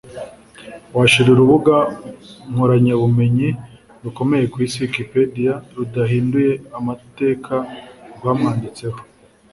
washira urubuga nkoranyabumenyi rukomeye ku Isi “Wikipedia” rudahinduye amateka rwamwanditseho